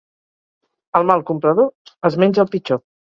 El mal comprador es menja el pitjor.